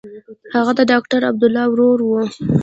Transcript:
هغه د ډاکټر عبدالله ورور و.